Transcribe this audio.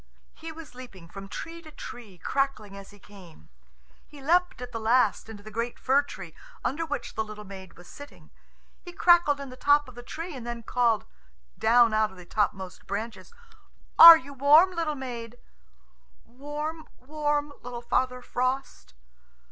He was leaping from tree to tree, crackling as he came. He leapt at last into the great fir tree, under which the little maid was sitting. He crackled in the top of the tree, and then called; down out of the topmost branches, "Are you warm, little maid?" "Warm, warm, little Father Frost."